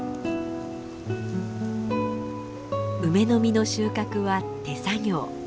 梅の実の収穫は手作業。